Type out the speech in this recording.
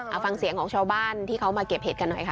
เอาฟังเสียงของชาวบ้านที่เขามาเก็บเห็ดกันหน่อยค่ะ